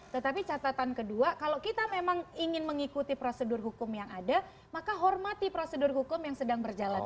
tetapi catatan kedua kalau kita memang ingin mengikuti prosedur hukum yang ada maka hormati prosedur hukum yang sedang berjalan